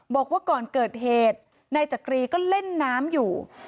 บอกว่าก่อนเกิดเหตุนายจักรีก็เล่นน้ำอยู่